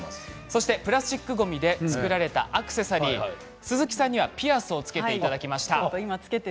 そしてプラスチックごみから作られたアクセサリー鈴木さんにはピアスをつけてもらいました。